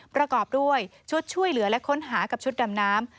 ประกอบด้วยชุดช่วยเหลือและค้นหากับชุดดำน้ำ